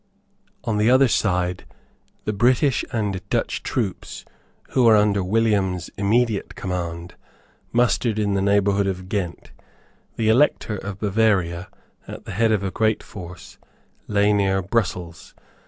On the other side the British and Dutch troops, who were under ` William's immediate command, mustered in the neighbourhood of Ghent. The Elector of Bavaria, at the head of a great force, lay near Brussels.